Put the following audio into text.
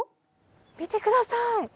見てください！